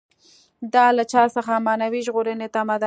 دا له چا څخه معنوي ژغورنې تمه ده.